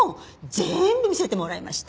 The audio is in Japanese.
全部見せてもらいました。